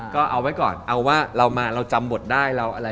ก็เอาไว้ก่อนเอาว่าเรามาเราจำบทได้